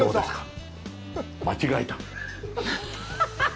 間違えた。